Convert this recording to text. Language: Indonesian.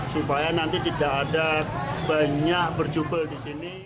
supaya nanti tidak ada banyak berjubel di sini